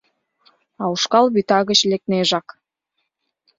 А ушкал вӱта гыч лекнежак.